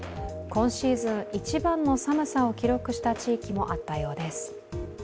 今シーズン一番の寒さを記録した地域もあったようです。